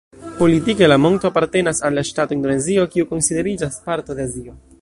Politike la monto apartenas al la ŝtato Indonezio, kiu konsideriĝas parto de Azio.